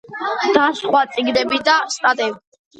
და სხვა წიგნები და სტატიები.